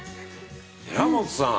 寺本さん！